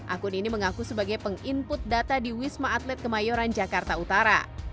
akun ini mengaku sebagai peng input data di wisma atlet kemayoran jakarta utara